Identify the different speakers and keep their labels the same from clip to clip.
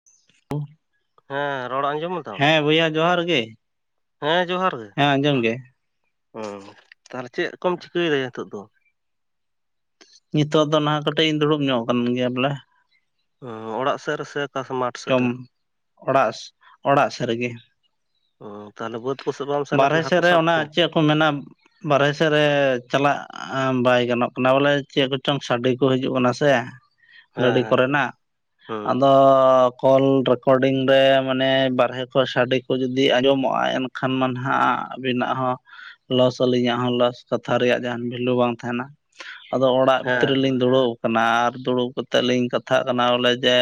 Speaker 1: [unintelligible]
Speaker 2: ᱦᱮᱸ ᱨᱚᱲ ᱟᱸᱡᱚᱢ ᱮᱫᱟᱢ
Speaker 1: ᱦᱮᱸ ᱵᱚᱭᱦᱟ ᱡᱚᱦᱟᱨ ᱜᱤ
Speaker 2: ᱦᱮᱸ ᱡᱚᱦᱟᱨ ᱜᱤ
Speaker 1: ᱦᱮᱸ ᱟᱸᱡᱚᱢ ᱜᱮ
Speaker 2: ᱦᱩᱸ ᱛᱟᱦᱚᱞᱮ ᱪᱮᱫ ᱠᱚᱢ ᱪᱤᱠᱟᱹᱭ ᱫᱟᱭᱟ ᱱᱤᱛᱚᱜ ᱫᱚ
Speaker 1: ᱱᱤᱛᱚᱜ ᱫᱚ ᱱᱟᱦᱟᱜ ᱠᱟᱹᱴᱤᱡ ᱤᱧ ᱫᱩᱲᱩᱵ ᱧᱚᱜ ᱟᱠᱟᱱ ᱜᱮᱭᱟ ᱵᱚᱞᱮ
Speaker 2: ᱚᱲᱟᱜ ᱥᱮᱫ ᱨᱮᱥᱮ ᱚᱠᱟᱥᱮᱱ ᱢᱟᱴᱷ ᱥᱮᱫ
Speaker 1: ᱡᱚᱢ
Speaker 2: ᱨᱮ
Speaker 1: ᱚᱲᱟᱜ ᱚᱲᱟᱜ ᱥᱮᱜ ᱨᱮᱜᱮ
Speaker 2: ᱚᱻ ᱛᱟᱦᱚᱞᱮ ᱵᱟᱹᱫᱽ ᱠᱚᱥᱮᱫ ᱵᱟᱢ ᱥᱮᱱ
Speaker 1: ᱵᱟᱨᱦᱮ
Speaker 2: ᱠᱟᱱᱟ ᱦᱟᱹᱠᱩ
Speaker 1: ᱥᱮᱫ ᱨᱮ
Speaker 2: ᱥᱟᱵ
Speaker 1: ᱚᱱᱟ ᱪᱮᱫ ᱠᱚ ᱢᱮᱱᱟ ᱵᱟᱨᱦᱮ ᱥᱮᱫ ᱨᱮ ᱪᱟᱞᱟᱜ ᱵᱟᱭ ᱜᱟᱱᱚᱜ ᱠᱟᱱᱟ ᱵᱚᱞᱮ ᱪᱮᱫ ᱠᱚᱪᱚᱝ ᱥᱟᱰᱮ ᱠᱚ ᱦᱤᱡᱩᱜ ᱠᱟᱱᱟ ᱥᱮ
Speaker 2: ᱦᱮᱸ
Speaker 1: ᱜᱟᱹᱰᱤ
Speaker 2: ᱦᱮᱸ
Speaker 1: ᱠᱚᱨᱮᱱᱟᱜ
Speaker 2: ᱦᱩᱸ
Speaker 1: ᱟᱫᱚ ᱠᱚᱞ ᱨᱮᱠᱚᱨᱰᱤᱝ ᱨᱮ ᱢᱟᱱᱮ ᱵᱟᱨᱦᱮ ᱠᱚ ᱥᱟᱰᱮ ᱠᱚ ᱡᱩᱫᱤ ᱟᱸᱡᱚᱢᱚᱜ-ᱟ ᱮᱱᱠᱷᱟᱱ ᱠᱷᱟᱱ ᱢᱟ ᱱᱟᱦᱟᱜ ᱟᱹᱵᱤᱱᱟᱜ ᱦᱚᱸ ᱞᱚᱥ ᱟᱹᱞᱤᱧᱟᱜ ᱦᱚᱸ ᱞᱚᱥ ᱠᱟᱛᱷᱟ ᱨᱮᱭᱟᱜ ᱡᱟᱦᱟᱱ ᱵᱷᱮᱞᱩ ᱵᱟᱝ ᱛᱟᱦᱮᱱᱟ ᱟᱫᱚ ᱚᱲᱟᱜ ᱵᱷᱤᱛᱨᱤ
Speaker 2: ᱦᱮᱸ
Speaker 1: ᱨᱮᱞᱤᱧ
Speaker 2: ᱦᱮᱸ
Speaker 1: ᱫᱩᱲᱩᱵ ᱟᱨ ᱫᱩᱲᱩᱵ ᱠᱟᱛᱮᱜ ᱞᱤᱧ ᱠᱟᱛᱷᱟᱜ ᱠᱟᱱᱟ ᱵᱚᱞᱮ ᱡᱮ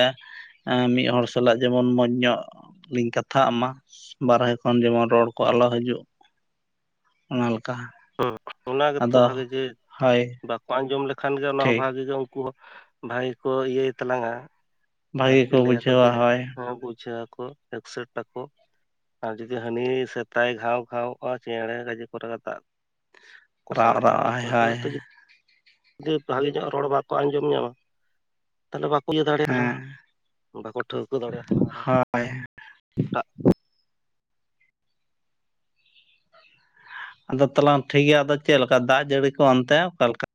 Speaker 1: ᱢᱤᱫ ᱦᱚᱲ ᱥᱟᱞᱟᱜ ᱡᱮᱢᱚᱱ ᱢᱚᱡᱽ ᱧᱚᱜ ᱞᱤᱧ ᱠᱟᱛᱷᱟᱜ ᱢᱟ ᱵᱟᱨᱦᱮ ᱠᱷᱚᱱ ᱡᱮᱢᱚᱱ ᱨᱚᱲ ᱠᱚ ᱟᱞᱚ ᱦᱤᱡᱩᱜ ᱚᱱᱟ ᱞᱮᱠᱟ
Speaker 2: ᱦᱩ ᱚᱱᱟ ᱜᱮᱛᱚ
Speaker 1: ᱟᱫᱚ
Speaker 2: ᱵᱷᱟᱜᱤ ᱡᱮ
Speaker 1: ᱦᱳᱭ
Speaker 2: ᱵᱟᱠᱚ ᱟᱸᱡᱚᱢ ᱞᱮᱠᱷᱟᱱ ᱜᱮ ᱚᱱᱟ ᱦᱚᱸ
Speaker 1: ᱴᱷᱤᱠ
Speaker 2: ᱵᱷᱟᱜᱤ ᱜᱮ ᱩᱱᱠᱩᱭᱟᱜ ᱵᱷᱟᱜᱤ ᱜᱮ ᱠᱚ ᱤᱭᱟᱹᱭ ᱛᱟᱞᱟᱝᱟ
Speaker 1: ᱵᱷᱟᱹᱜᱤ
Speaker 2: ᱟᱨᱠᱤ
Speaker 1: ᱠᱚ
Speaker 2: ᱞᱟᱹᱭᱟᱠᱚ
Speaker 1: ᱵᱩᱡᱷᱟᱹᱣᱟ
Speaker 2: ᱡᱮ
Speaker 1: ᱦᱳᱭ
Speaker 2: ᱵᱩᱡᱷᱟᱹᱣ ᱟᱠᱚ ᱮᱠᱥᱮᱴ ᱟᱠᱚ ᱟᱨ ᱡᱩᱫᱤ ᱦᱟᱹᱱᱤ ᱥᱮᱛᱟᱭ ᱜᱷᱟᱣ ᱜᱷᱟᱣᱚᱜ-ᱟ ᱪᱮᱬᱮ ᱜᱟᱡᱮ ᱠᱚᱨᱮ ᱨᱟᱜ
Speaker 1: ᱨᱟᱜ ᱨᱟᱜ-ᱟᱭ ᱦᱟᱭ
Speaker 2: ᱡᱩ ᱵᱷᱟᱜᱮ ᱧᱚᱜ ᱨᱚᱲ ᱵᱟᱠᱚ ᱟᱸᱡᱚᱢ ᱧᱟᱢᱟ ᱛᱟᱞᱦᱮ ᱵᱟᱠᱚ ᱤᱭᱟᱹ ᱫᱟᱲᱮᱭᱟ ᱟᱞᱟᱝᱟ
Speaker 1: ᱦᱮᱸ
Speaker 2: ᱵᱟᱠᱚ ᱴᱷᱟᱹᱣᱠᱟᱹ ᱫᱟᱲᱮ ᱟᱛᱟᱞᱟᱝᱟ ᱨᱚᱲ
Speaker 1: [unintelligible]
Speaker 2: ᱴᱟᱜ
Speaker 1: ᱟᱫᱚ ᱛᱟᱞᱟᱝ ᱴᱷᱤᱠ ᱜᱮᱭᱟ ᱟᱫᱚ ᱪᱮᱫᱠᱟ ᱫᱟᱜ ᱡᱟᱹᱲᱤ ᱠᱚ ᱚᱱᱛᱮ ᱚᱠᱟᱞᱮᱠᱟ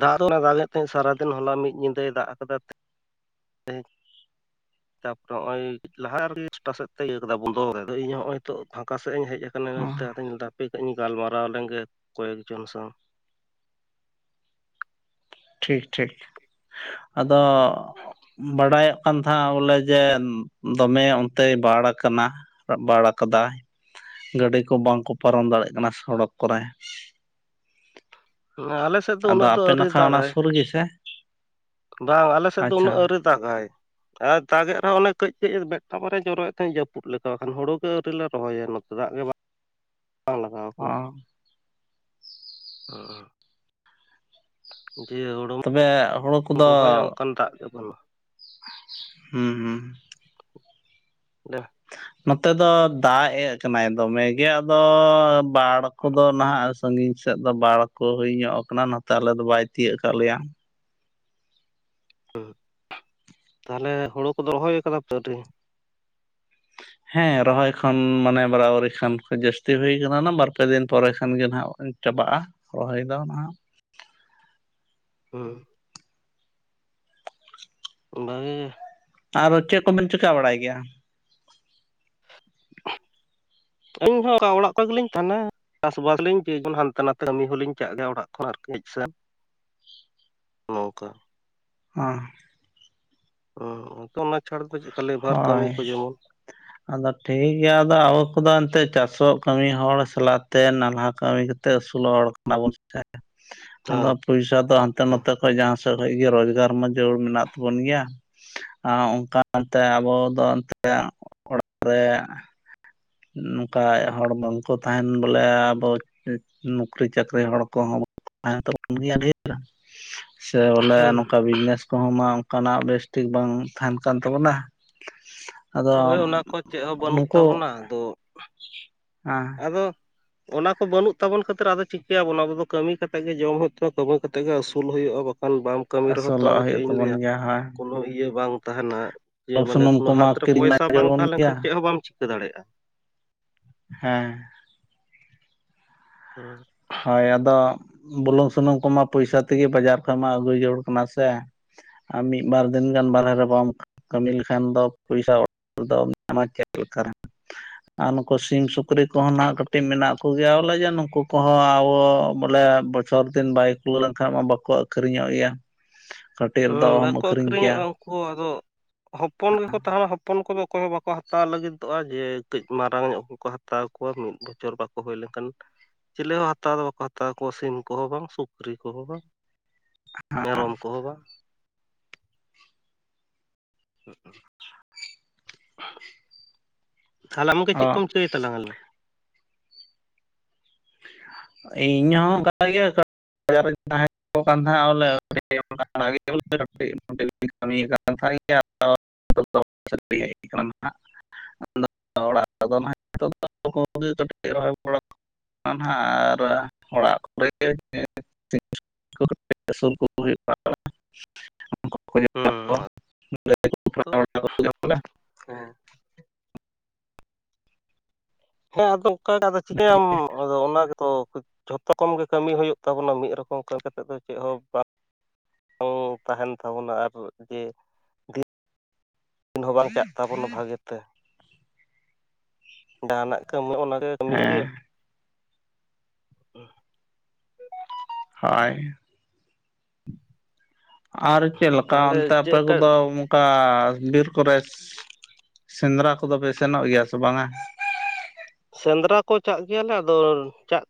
Speaker 2: ᱫᱟᱜ ᱫᱚ ᱫᱟᱜᱮᱫ ᱛᱟᱦᱮᱸᱫ ᱥᱟᱨᱟᱫᱤᱱ ᱦᱚᱞᱟ ᱢᱤᱫ ᱧᱤᱫᱟᱹᱭ ᱫᱟᱜ ᱟᱠᱟᱫᱟ
Speaker 1: ᱦᱮ
Speaker 2: ᱛᱟᱯᱚᱨᱮ ᱱᱚᱜ ᱚᱭ ᱞᱟᱦᱟ ᱨᱮᱜᱮ ᱪᱷᱚᱴᱟ ᱥᱮᱫ ᱛᱮ ᱤᱭᱟᱹ ᱠᱮᱫᱫᱟ ᱵᱚᱱᱫᱚ ᱠᱟᱫᱚ ᱤᱧ ᱦᱚᱸᱜ ᱚᱭ ᱱᱤᱛᱚᱜ ᱯᱷᱟᱸᱠᱟ ᱥᱮᱫ ᱤᱧ ᱦᱮᱡ ᱟᱠᱟᱱᱟ ᱚᱱᱟᱛᱮ ᱟᱫᱚᱧ ᱦᱟᱯᱮ ᱠᱟᱜ ᱤᱧ ᱜᱟᱞᱢᱟᱨᱟᱣ ᱞᱮᱱᱜᱮ ᱠᱚᱭᱮᱠ ᱡᱚᱱ ᱥᱟᱶ
Speaker 1: ᱴᱷᱤᱠ ᱴᱷᱤᱠ ᱟᱫᱚ
Speaker 2: ᱦᱮᱸ
Speaker 1: ᱵᱟᱰᱟᱭᱚᱜ ᱠᱟᱱ ᱛᱟᱦᱮᱸ ᱵᱚᱞᱮ ᱡᱮ ᱫᱚᱢᱮ ᱚᱱᱛᱮ ᱵᱟᱲ ᱟᱠᱟᱱᱟ ᱵᱟᱲ ᱠᱟᱫᱟᱭ ᱜᱟᱹᱰᱤ ᱠᱚ ᱵᱟᱝᱠᱚ ᱯᱟᱨᱚᱢ ᱫᱟᱲᱮᱭᱟᱜ ᱠᱟᱱᱟ ᱥᱚᱲᱚᱠ ᱠᱚᱨᱮ
Speaker 2: ᱟᱞᱮ ᱥᱮᱫ ᱫᱚ
Speaker 1: ᱟᱫᱚ
Speaker 2: ᱩᱱᱟᱹᱜ ᱫᱚ
Speaker 1: ᱟᱯᱮ
Speaker 2: ᱟᱹᱣᱨᱤ
Speaker 1: ᱱᱟᱠᱷᱟ ᱚᱱᱟ
Speaker 2: ᱫᱟᱜᱟᱭ
Speaker 1: ᱥᱩᱨ ᱜᱮᱥᱮ
Speaker 2: ᱵᱟᱝ ᱟᱞᱮᱥᱮᱫ ᱫᱚ
Speaker 1: ᱟᱪᱪᱷᱟ
Speaker 2: ᱩᱱᱟᱹᱜ ᱟᱣᱨᱤ ᱫᱟᱜ ᱟᱭ ᱫᱟᱜᱮᱫ ᱨᱮᱦᱚᱸ ᱚᱱᱮ ᱠᱟᱹᱡ ᱠᱟᱹᱡ ᱢᱮᱫᱴᱟᱝ ᱵᱟᱨᱮ ᱡᱚᱨᱚᱭᱮᱫ ᱛᱟᱦᱮᱸᱫ ᱡᱟᱹᱯᱩᱫ ᱞᱮᱠᱟᱠᱷᱟᱱ ᱦᱩᱲᱩ ᱜᱮ ᱟᱹᱣᱨᱤ ᱞᱮ ᱨᱚᱦᱚᱭᱟ ᱱᱚᱛᱮ ᱫᱟᱜ ᱜᱮ ᱵᱟᱝ ᱵᱟᱝᱞᱟᱜᱟᱣ ᱟᱠᱟᱱᱟ
Speaker 1: ᱚ
Speaker 2: ᱡᱮ ᱦᱩᱲᱩᱢ
Speaker 1: ᱛᱚᱵᱮ ᱦᱩᱲᱩ ᱠᱚᱫᱚ
Speaker 2: ᱨᱚᱦᱚᱭᱟ ᱚᱱᱠᱟᱱ ᱫᱟᱜ ᱜᱮ ᱵᱟᱹᱱᱩᱜ-ᱟ
Speaker 1: ᱦᱩᱸ ᱦᱩᱸ
Speaker 2: ᱞᱟᱹᱭ ᱢᱮ
Speaker 1: ᱱᱚᱛᱮ ᱫᱚ ᱫᱟᱜ ᱮᱡ ᱠᱟᱱᱟᱭ ᱫᱚᱢᱮ ᱜᱮ ᱟᱫᱚ ᱵᱟᱲ ᱠᱚᱫᱚ ᱱᱟᱦᱟᱜ ᱥᱟᱺᱜᱤᱧ ᱥᱮᱫ ᱫᱚ ᱵᱟᱲ ᱠᱚ ᱦᱩᱭ ᱧᱚᱜ ᱟᱠᱟᱱᱟ ᱱᱚᱛᱮ ᱟᱞᱮᱫᱚ ᱵᱟᱭ ᱛᱤᱭᱟᱹᱜ ᱟᱠᱟᱫ ᱞᱮᱭᱟ
Speaker 2: ᱛᱟᱦᱚᱞᱮ ᱦᱩᱲᱩ ᱠᱚ ᱨᱚᱦᱚᱭ ᱟᱠᱟᱫᱟ ᱟᱹᱣᱨᱤ
Speaker 1: ᱦᱮᱸ ᱨᱚᱦᱚᱭ ᱠᱷᱚᱱ ᱢᱟᱱᱮ ᱵᱟᱨᱟᱵᱟᱨᱤ ᱠᱷᱟᱱ ᱡᱟᱹᱥᱛᱤ ᱦᱩᱭ ᱠᱟᱱᱟ ᱵᱟᱨᱯᱮ ᱫᱤᱱ ᱯᱚᱨᱮ ᱠᱷᱟᱱ ᱜᱮ ᱱᱟᱜ ᱪᱟᱵᱟᱜ-ᱟ ᱨᱚᱦᱚᱭᱮᱫ ᱱᱟᱦᱟᱜ
Speaker 2: ᱦᱮᱸ ᱵᱷᱟᱜᱮ ᱜᱮ
Speaker 1: ᱟᱨᱚ ᱪᱮᱫ ᱠᱚᱵᱮᱱ ᱪᱤᱠᱟᱹ ᱵᱟᱲᱟᱭ ᱜᱮᱭᱟ
Speaker 2: ᱤᱧᱦᱚᱸ ᱚᱠᱟ ᱚᱲᱟᱜ ᱠᱷᱚᱱ ᱜᱮᱞᱤᱧ ᱛᱟᱦᱮᱱᱟ ᱪᱟᱥᱵᱟᱥ ᱞᱤᱧ ᱪᱚᱱ ᱦᱟᱱᱛᱮ ᱱᱟᱛᱮ ᱠᱟᱹᱢᱤ ᱦᱚᱞᱤᱧ ᱪᱟᱞᱟᱜ ᱜᱮᱭᱟ ᱚᱲᱟᱜ ᱠᱷᱚᱱ ᱟᱨᱠᱤ ᱦᱮᱡ ᱥᱮᱱ ᱱᱚᱝᱠᱟ
Speaker 1: ᱦᱳ
Speaker 2: ᱦᱚ ᱚᱱᱟ ᱪᱷᱟᱲ ᱫᱚ ᱪᱮᱫᱠᱟ ᱞᱮᱵᱟᱨ ᱠᱟᱹᱢᱤ
Speaker 1: ᱦᱳᱭ
Speaker 2: ᱠᱚ ᱡᱮᱢᱚᱱ
Speaker 1: [unintelligible] ᱟᱫᱚ ᱴᱷᱤᱠ ᱜᱮᱭᱟ ᱟᱫᱚ ᱟᱵᱚ ᱠᱚᱫᱚ ᱮᱱᱛᱮᱫ ᱪᱟᱥᱚᱜ ᱠᱟᱹᱢᱤ ᱦᱚᱲ ᱥᱟᱞᱟᱜᱛᱮ ᱱᱟᱞᱦᱟ ᱠᱟᱹᱢᱤ ᱠᱟᱛᱮ ᱛᱮ ᱟᱹᱥᱩᱞ ᱦᱚᱲ ᱠᱟᱱᱟ ᱵᱚᱱ ᱥᱮ [unintelligible] ᱟᱫᱚ
Speaker 2: ᱦᱮᱸ
Speaker 1: ᱯᱚᱭᱥᱟ ᱫᱚ ᱦᱟᱱᱛᱮ ᱱᱟᱛᱮ ᱠᱷᱚᱡ ᱡᱟᱦᱟᱸᱥᱮᱡ ᱠᱷᱚᱡ ᱜᱮ ᱨᱚᱡᱽᱜᱟᱨ ᱢᱟ ᱡᱟᱹᱨᱩᱲ ᱢᱮᱱᱟᱜ ᱛᱟᱵᱚᱱ ᱜᱮᱭᱟ᱾ ᱟᱨ ᱚᱱᱠᱟᱛᱮ ᱟᱵᱚ ᱫᱚ ᱮᱱᱛᱮ ᱚᱲᱟᱜ ᱨᱮ ᱱᱚᱝᱠᱟ ᱦᱚᱲ ᱵᱟᱝᱠᱚ ᱛᱟᱦᱮᱱ ᱵᱚᱞᱮ ᱟᱵᱚ ᱱᱚᱩᱠᱨᱤ ᱪᱟᱹᱠᱨᱤ ᱦᱚᱲ ᱠᱚᱦᱚᱸ [unintelligible] ᱛᱟᱦᱮᱱ ᱛᱟᱵᱚᱱ ᱜᱮᱭᱟ [unintelligible] ᱥᱮ ᱵᱚᱞᱮ ᱱᱚᱝᱠᱟ ᱵᱤᱡᱽᱱᱮᱥ ᱠᱚᱦᱚᱸ ᱢᱟ ᱚᱱᱠᱟᱱᱟᱜ ᱵᱮᱥᱴᱷᱤᱠ ᱵᱟᱝ ᱛᱟᱦᱮᱱ ᱠᱟᱱ ᱛᱟᱵᱚᱱᱟ᱾ ᱟᱫᱚ
Speaker 2: ᱦᱚᱭ ᱚᱱᱟ ᱠᱚ ᱪᱮᱫ ᱦᱚᱸ ᱵᱟᱹᱱᱩᱜ
Speaker 1: ᱱᱩᱠᱩ
Speaker 2: ᱛᱟᱵᱚᱱᱟ ᱟᱫᱚ
Speaker 1: [unintelligible] ᱦᱮᱸ
Speaker 2: [unintelligible] ᱚᱱᱟ ᱠᱚ ᱵᱟᱹᱱᱩᱜ ᱛᱟᱵᱚᱱ ᱠᱷᱟᱹᱛᱤᱨ ᱟᱫᱚ ᱪᱤᱠᱟᱹᱭᱟᱵᱚ ᱚᱱᱟ ᱟᱵᱫᱚ ᱠᱟᱹᱢᱤ ᱠᱟᱛᱮᱜ ᱜᱮ ᱡᱚᱢ ᱦᱩᱭᱩᱜ ᱛᱟᱢᱟ ᱠᱟᱹᱢᱤ ᱠᱟᱛᱮᱜ ᱜᱮ ᱟᱹᱥᱩᱞ ᱦᱩᱭᱩᱜᱼᱟ ᱵᱟ ᱠᱷᱟᱱ ᱵᱟᱢ ᱠᱟᱹᱢᱤ ᱨᱮᱦᱚᱸ ᱛᱚ ᱟᱫᱚ
Speaker 1: ᱟᱹᱥᱩᱞᱚᱜ
Speaker 2: ᱪᱮᱫ
Speaker 1: ᱦᱩᱭᱩᱜ
Speaker 2: ᱤᱧ
Speaker 1: ᱛᱟᱵᱚᱱ
Speaker 2: ᱞᱟᱹᱭᱟ
Speaker 1: ᱜᱮᱭᱟ ᱦᱳᱭ
Speaker 2: [inaudible] ᱠᱚᱱᱚ ᱤᱭᱟᱹ ᱵᱟᱝ ᱛᱟᱦᱮᱱᱟ [inaudible] ᱡᱮ
Speaker 1: ᱵᱩᱞᱩᱝ
Speaker 2: ᱢᱟᱱᱮ
Speaker 1: ᱥᱩᱱᱩᱢ
Speaker 2: ᱠᱚᱱᱚ ᱦᱟᱛ
Speaker 1: ᱠᱚᱢᱟ
Speaker 2: ᱨᱮ
Speaker 1: ᱠᱤᱨᱤᱧ ᱢᱟ
Speaker 2: ᱯᱚᱭᱥᱟ ᱵᱟᱝ
Speaker 1: ᱡᱟᱹᱨᱩᱲ ᱵᱚᱱ ᱜᱮᱭᱟ
Speaker 2: ᱛᱟᱦᱮᱸᱞᱮᱱᱠᱷᱟᱱ ᱪᱮᱫ ᱦᱚᱸ ᱵᱟᱢ ᱪᱤᱠᱟᱹ ᱫᱟᱲᱮᱭᱟᱜᱼᱟ᱾
Speaker 1: ᱦᱮᱸᱻ
Speaker 2: [unintelligible]
Speaker 1: ᱦᱚᱭ ᱟᱫᱚ ᱵᱩᱞᱩᱝ ᱥᱩᱱᱩᱢ ᱠᱚᱢᱟ ᱯᱚᱭᱥᱟ ᱛᱮᱜᱮ ᱵᱟᱡᱟᱨ ᱠᱷᱚᱱᱚᱡ ᱢᱟ ᱟᱹᱜᱩᱭ ᱡᱟᱹᱨᱩᱲ ᱠᱟᱱᱟ ᱥᱮ ᱟᱨᱢ ᱢᱤᱫ ᱵᱟᱨ ᱫᱤᱱ ᱜᱟᱱ ᱵᱟᱨᱦᱮ ᱨᱮ ᱵᱟᱢ ᱠᱟᱹᱢᱤ ᱞᱮᱠᱷᱟᱱ ᱫᱚ ᱯᱚᱭᱥᱟ ᱫᱚ ᱧᱟᱢᱟ ᱪᱮᱫ ᱞᱮᱠᱟᱛᱮ ᱾ ᱟᱨ ᱱᱩᱠᱩ ᱥᱤᱢ ᱥᱩᱠᱨᱤ ᱠᱚᱦᱚᱸ ᱱᱟᱸᱜ ᱠᱟᱹᱴᱤᱡ ᱢᱮᱱᱟᱜ ᱠᱚᱜᱮᱭᱟ ᱵᱚᱞᱮ ᱡᱮ ᱱᱩᱠᱩ ᱠᱚ ᱠᱚᱦᱚᱸ ᱟᱵᱚ ᱵᱚᱞᱮ ᱵᱚᱪᱷᱚᱨ ᱫᱤᱱ ᱵᱟᱭ ᱠᱩᱞᱟᱹᱣ ᱞᱮᱱᱠᱷᱟᱱ ᱢᱟ ᱵᱟᱠᱚ ᱟᱹᱠᱷᱨᱤᱧᱚᱜ ᱜᱮᱭᱟ᱾ ᱠᱟᱹᱴᱤᱡ ᱨᱮ ᱫᱚ ᱚᱦᱚᱢ ᱟᱹᱠᱷᱨᱤᱧ ᱠᱮᱭᱟ᱾
Speaker 2: ᱠᱚ ᱟᱫᱚ ᱦᱚᱯᱚᱱ ᱜᱮᱠᱚ ᱛᱟᱦᱮᱱᱟ ᱦᱚᱯᱚᱱ ᱠᱚᱫᱚ ᱚᱠᱚᱭ ᱦᱚᱸ ᱵᱟᱠᱚ ᱦᱟᱛᱟᱣ ᱞᱟᱹᱜᱤᱫᱚᱜᱼᱟ ᱡᱮ ᱠᱟᱹᱡ ᱢᱟᱨᱟᱝ ᱧᱚᱜ ᱠᱚ ᱦᱟ ᱦᱟᱛᱟᱣ ᱠᱚᱣᱟ ᱢᱤᱫ ᱵᱚᱪᱷᱚᱨ ᱵᱟᱠᱚ ᱦᱩᱭ ᱞᱮᱱᱠᱷᱟᱱ ᱾ ᱪᱤᱞᱮ ᱦᱚᱸ ᱦᱟᱛᱟᱣ ᱫᱚ ᱵᱟᱠᱚ ᱦᱟᱛᱟᱣ ᱠᱚᱣᱟ ᱥᱤᱢ ᱠᱚᱦᱚᱸ ᱵᱟᱝ ᱥᱩᱠᱨᱤ ᱠᱚᱦᱚᱸ ᱵᱟᱝ ᱾ ᱢᱮᱨᱚᱢ ᱠᱚᱦᱚᱸ‌ ᱵᱟᱝ ᱾ [unintelligible] [inaudible] ᱛᱟᱦᱞᱮ ᱟᱢᱜᱮ ᱪᱮᱫ
Speaker 1: ᱚ
Speaker 2: ᱠᱚᱢ ᱪᱟᱹᱭ ᱛᱟᱞᱟᱝᱟ?
Speaker 1: [inaudible] ᱤᱧᱦᱚ ᱚᱱᱠᱟ ᱜᱮ [unintelligible] ᱵᱟᱡᱟᱨ ᱨᱮᱧ ᱛᱟᱦᱮᱱᱟ ᱛᱟᱦᱮᱸᱫ ᱵᱚᱞᱮᱮ [unintelligible] [unintelligible] [unintelligible] ᱚᱲᱟᱜ ᱨᱮᱫᱚ ᱱᱟᱜ [unintelligible] [unintelligible] ᱱᱟᱦᱟᱜ ᱟᱨ ᱚᱲᱟᱜ ᱠᱚᱨᱮ [unintelligible] [unintelligible] ᱩᱱᱠᱩ ᱠᱚ ᱡᱚᱢᱟ ᱠᱚ
Speaker 2: ᱦᱩᱸ [unintelligible] ᱛᱚ [unintelligible] ᱦᱮᱸ ᱦᱮᱸ ᱟᱫᱚ ᱚᱱᱠᱟ ᱜᱮ ᱪᱤᱠᱟᱹᱭᱟᱢ ᱟᱫᱚ ᱚᱱᱟ ᱜᱮᱛᱚ᱾ ᱡᱷᱚᱛᱚ ᱨᱚᱠᱚᱢ ᱜᱮ ᱠᱟᱹᱢᱤ ᱦᱩᱭᱩᱜ ᱛᱟᱵᱚᱱᱟ ᱢᱤᱫ ᱨᱚᱠᱚᱢ ᱠᱟᱹᱢᱤ ᱠᱟᱛᱮᱫ ᱫᱚ ᱪᱮᱫ ᱦᱚᱸ ᱵᱟᱝ [unintelligible] ᱛᱟᱦᱮᱱ ᱛᱟᱵᱚᱱᱟ ᱟᱨ ᱡᱮ ᱫᱤᱱ ᱦᱚᱸ ᱵᱟᱝᱧᱪᱟᱜ ᱛᱟᱵᱚᱱᱟ ᱵᱷᱟᱹᱜᱮ ᱛᱮ ᱾ ᱡᱟᱦᱟᱱᱟᱜ ᱠᱟᱹᱢᱤ ᱚᱱᱟᱜᱮ ᱠᱟᱹᱢᱤᱭ ᱜᱮᱭᱟ
Speaker 1: ᱦᱮᱸ
Speaker 2: ᱾
Speaker 1: ᱦᱟᱭ ᱟᱨ ᱪᱮᱫ ᱞᱮᱠᱟ
Speaker 2: ᱛᱟᱦᱚᱞᱮ
Speaker 1: ᱚᱱᱛᱮ
Speaker 2: ᱪᱮᱫ
Speaker 1: ᱟᱯᱮ
Speaker 2: ᱞᱮᱠᱟ
Speaker 1: ᱠᱚᱫᱚ ᱚᱠᱟ ᱵᱤᱨ ᱠᱚᱨᱮ [unintelligible] ᱥᱮᱸᱫᱽᱨᱟ ᱠᱚᱫᱚ ᱯᱮ ᱥᱮᱱᱚᱜ ᱜᱮᱭᱟ ᱥᱮ ᱵᱟᱝᱟ?
Speaker 2: ᱥᱮᱸᱫᱽᱨᱟ ᱠᱚ ᱪᱟᱜ ᱜᱮᱭᱟᱞᱮ ᱟᱫᱚ ᱪᱟᱜ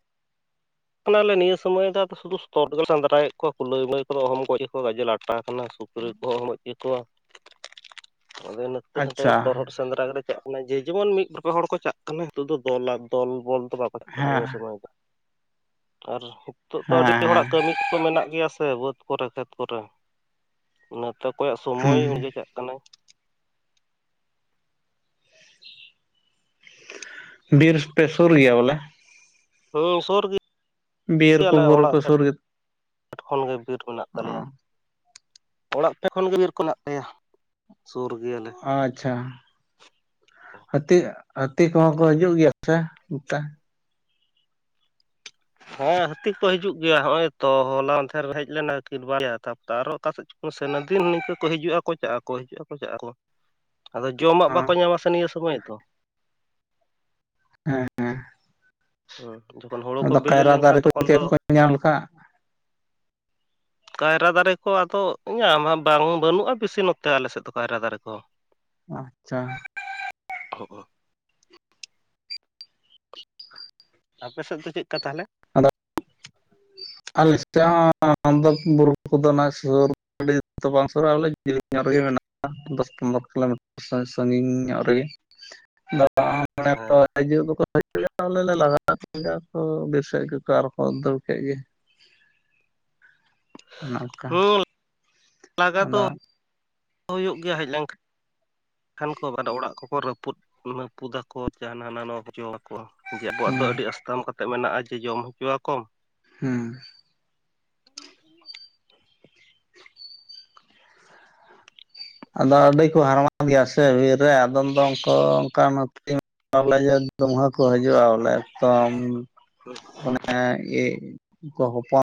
Speaker 2: ᱠᱟᱱᱟᱞᱮ ᱱᱤᱭᱟᱹ ᱥᱚᱢᱚᱭ ᱫᱚ [unintelligible] [unintelligible] ᱥᱮᱫᱽᱨᱟᱭᱮᱫ ᱠᱚᱣᱟ ᱠᱩᱞᱟᱹᱭ ᱢᱟᱹᱭ ᱠᱚᱫᱚ ᱚᱦᱚᱢ ᱜᱚᱡ ᱠᱚᱣᱟ ᱜᱟᱡᱮ ᱞᱟᱴᱟ ᱠᱟᱱᱟ ᱥ ᱥᱩᱠᱨᱤ ᱠᱚ [unintelligible] ᱚᱦᱚᱢ ᱜᱟᱡ ᱠᱮᱠᱩᱣᱟ
Speaker 1: [inaudible]
Speaker 2: ᱟᱞᱮ ᱱᱚᱛᱮ ᱨᱮᱫᱚ
Speaker 1: ᱟᱪᱪᱷᱟ
Speaker 2: ᱛᱚᱨᱦᱚᱛ ᱥᱮᱸᱫᱽᱨᱟ ᱜᱮᱞᱮ ᱪᱟᱜ ᱠᱟᱱᱟ, ᱡᱮ ᱡᱮᱢᱚᱱ ᱢᱤᱫ ᱵᱟᱨ ᱦᱚᱲ ᱠᱚ ᱪᱟᱜ ᱠᱟᱱᱟ᱾ ᱱᱤᱛᱚᱜ ᱫᱚ ᱫᱚᱞᱟ ᱫᱚᱞ ᱵᱚᱞ ᱫᱚ ᱵᱟᱝ᱾ [unintelligible]
Speaker 1: ᱦᱮᱸ
Speaker 2: ᱱᱤᱭᱟᱹ ᱥᱮ ᱵᱟᱝ ᱟᱨ ᱱᱤᱛᱚᱜ ᱫᱚ ᱟᱹᱰᱤ ᱦᱚᱲᱟᱜ
Speaker 1: ᱦᱮᱸ
Speaker 2: ᱠᱟᱹᱢᱤ ᱠᱚ ᱢᱮᱱᱟᱜ ᱜᱮᱭᱟ ᱥᱮ ᱵᱟᱹᱫᱽ ᱠᱚᱨᱮ ᱠᱷᱮᱛ ᱠᱚᱨᱮ᱾ ᱱᱟᱛᱮ ᱠᱚᱭᱚᱜ ᱥᱚᱢᱚᱭ
Speaker 1: ᱦᱮᱸ
Speaker 2: ᱩᱱᱤ ᱜᱮ ᱪᱟᱜ ᱠᱟᱱᱟᱭ᱾
Speaker 1: ᱵᱤᱨ ᱯᱮ ᱥᱩᱨ ᱜᱮᱭᱟ ᱵᱚᱞᱮ?
Speaker 2: ᱦᱩᱸ ᱥᱩᱨ ᱜᱮ
Speaker 1: ᱵᱤᱨ ᱠᱚ
Speaker 2: ᱟᱞᱮ
Speaker 1: ᱵᱩᱨᱩ
Speaker 2: ᱚᱲᱟᱜ
Speaker 1: ᱠᱚ ᱥᱩᱨ ᱜᱮ
Speaker 2: ᱯᱷᱮᱰ ᱠᱷᱚᱱ ᱜᱮ ᱵᱤᱨ ᱢᱮᱱᱟᱜ ᱛᱟᱞᱮᱭᱟ᱾ ᱚᱲᱟᱜ ᱯᱷᱮᱰ ᱠᱷᱚᱱ ᱜᱮ ᱵᱤᱨ ᱠᱚ ᱢᱮᱱᱟᱜ ᱞᱮᱭᱟ ᱥᱩᱨ ᱜᱮᱭᱟᱞᱮ᱾
Speaker 1: ᱚ ᱟᱪᱪᱷᱟ ᱦᱟᱹᱛᱤ ᱦᱟᱹᱛᱤ ᱠᱚᱦᱚᱸ ᱠᱚ ᱦᱟᱡᱩᱜ ᱜᱮᱭᱟ ᱥᱮ ᱱᱚᱛᱮ?
Speaker 2: ᱦᱮᱸ ᱦᱟᱹᱛᱤ ᱠᱚ ᱦᱤᱡᱩᱜ ᱜᱮᱭᱟ ᱦᱚᱜ-ᱚᱭ ᱛᱚ ᱦᱚᱞᱟ ᱢᱟᱫᱷᱮᱨ ᱦᱮᱡ ᱞᱮᱱᱟ ᱠᱤᱱ ᱵᱟᱨᱭᱟ᱾ᱛᱟᱯᱚᱨᱮ ᱟᱨᱚ ᱚᱠᱟᱥᱮᱫ ᱪᱚ ᱥᱟᱱᱟ ᱫᱤᱱ ᱱᱤᱝᱠᱟᱹ ᱠᱚ ᱦᱤᱡᱩᱜᱼᱟᱠᱚ ᱪᱟᱜ ᱟᱠᱚ ᱠᱚ ᱦᱤᱡᱩᱜ-ᱟᱠᱚ ᱪᱟᱜ ᱟᱠᱚ᱾ ᱟᱫᱚ ᱡᱚᱢᱟᱜ ᱵᱟᱠᱚ
Speaker 1: ᱦᱮᱸ
Speaker 2: ᱧᱟᱢᱟ ᱥᱮ ᱱᱤᱭᱟᱹ ᱥᱚᱢᱚᱭ ᱫᱚ᱾
Speaker 1: ᱦᱮᱸ ᱦᱮᱸ
Speaker 2: ᱦᱩᱸ ᱡᱚᱠᱷᱚᱱ ᱦᱳᱲᱳ ᱠᱚ
Speaker 1: ᱟᱫᱚ
Speaker 2: ᱵᱤᱞᱤ
Speaker 1: ᱠᱟᱭᱨᱟ ᱫᱟᱨᱮ
Speaker 2: ᱞᱮᱱᱠᱷᱟᱱ
Speaker 1: ᱠᱚ
Speaker 2: ᱛᱚᱠᱷᱚᱱ
Speaker 1: ᱪᱮᱫ
Speaker 2: ᱫᱚ
Speaker 1: ᱠᱚ ᱧᱟᱢ ᱞᱮᱠᱷᱟᱱ
Speaker 2: ᱠᱟᱭᱨᱟ ᱫᱟᱨᱮ ᱠᱚ ᱟᱫᱚ ᱧᱟᱢᱟ ᱵᱟᱝ ᱵᱟᱹᱱᱩᱜ-ᱟ ᱵᱮᱥᱤ ᱱᱚᱛᱮ ᱟᱞᱮᱥᱮᱫ ᱫᱚ ᱠᱟᱭᱨᱟ ᱫᱟᱨᱮ ᱠᱚ᱾
Speaker 1: ᱟᱪᱪᱷᱟ
Speaker 2: [unintelligible] ᱟᱯᱮ ᱥᱮᱫ ᱫᱚ ᱪᱮᱫ ᱞᱮᱠᱟ ᱛᱟᱦᱞᱮ?
Speaker 1: ᱟᱞᱮᱥᱮᱜ ᱦᱚᱸᱻᱟᱫᱚ ᱵᱩᱨᱩ ᱠᱚᱫᱚ ᱱᱟᱜ ᱥᱩᱨ ᱟᱹᱰᱤ ᱛᱚ ᱵᱟᱝ ᱥᱩᱨᱟ ᱟᱞᱮ ᱡᱤᱞᱤᱧ ᱧᱚᱜ ᱨᱮᱜᱮ ᱢᱮᱱᱟᱜᱼᱟ᱾ ᱫᱚᱥ ᱯᱚᱱᱨᱚ ᱠᱤᱞᱳᱢᱤᱴ ᱥᱚᱭ ᱥᱟᱺᱜᱤᱧ ᱧᱚᱜ ᱨᱮᱜᱮ [unintelligible]
Speaker 2: ᱦᱮᱸ
Speaker 1: ᱦᱟᱡᱩᱜ ᱫᱚᱠᱚ ᱦᱟᱡᱩᱜ-ᱟᱞᱮ ᱞᱮ ᱞᱟᱦᱟᱜ-ᱟ ᱟᱨ ᱵᱟᱹ ᱵᱤᱨ ᱥᱮᱜ ᱟᱨᱠᱚ ᱫᱟᱹᱲ ᱠᱮᱫ ᱜᱮ ᱚᱱᱮ ᱚᱱᱠᱟ
Speaker 2: ᱦᱩᱸ ᱞᱟᱜᱟ ᱫᱚ
Speaker 1: ᱟᱫᱚ
Speaker 2: ᱦᱩᱭᱩᱜ ᱜᱮᱭᱟ ᱦᱮᱡ ᱞᱮᱱᱠᱷᱟᱱ᱾ ᱠᱷᱟᱱ ᱠᱚ ᱚᱲᱟᱜ ᱠᱚᱠᱚ ᱨᱟᱹᱯᱩᱫ ᱢᱟᱹᱯᱩᱫᱟᱠᱚ ᱡᱟᱦᱟᱸ ᱦᱟᱱᱟ ᱱᱟᱣᱟ ᱠᱚ ᱡᱚᱢ ᱟᱠᱚ᱾ ᱡᱮ ᱟᱵᱚᱣᱟᱜ
Speaker 1: ᱦᱩᱸ
Speaker 2: ᱫᱚ ᱟᱹᱰᱤ ᱟᱥᱛᱟᱢ ᱠᱟᱛᱮ ᱢᱮᱱᱟᱜ-ᱟ ᱡᱮ ᱡᱚᱢ ᱦᱚᱪᱚᱣᱟ ᱠᱚᱢ᱾
Speaker 1: ᱦᱩᱸ ᱟᱫᱚ ᱟᱹᱰᱤ ᱠᱚ ᱦᱟᱨᱟᱢᱟᱫ ᱜᱮᱭᱟ ᱥᱮ ᱵᱤᱨ ᱨᱮ ᱟᱫᱚᱢ ᱫᱚ ᱚᱱᱠᱟ ᱚᱱᱠᱟᱱ ᱴᱤᱢ ᱵᱚᱞᱮ ᱡᱮ ᱫᱚᱢᱩᱦᱟᱹ ᱠᱚ ᱦᱟᱡᱩᱜ-ᱟ ᱵᱚᱞᱮ ᱮᱠᱫᱚᱢ ᱚᱱᱮ ᱮ ᱠᱚ ᱦᱚᱯᱚᱱ